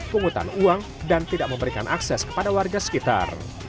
penghutang uang dan tidak memberikan akses kepada warga sekitar